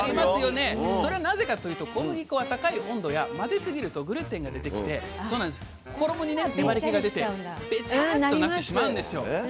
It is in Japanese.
それなぜかというと小麦粉は高い温度や混ぜすぎるとグルテンが出てきて衣に粘りけが出てベタッとなってしまうんですよ。